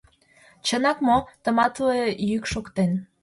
— Чынак мо? — тыматле йӱк шоктен.